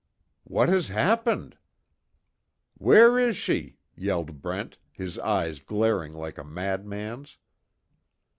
"What has happened ?" "Where is she?" yelled Brent, his eyes glaring like a mad man's.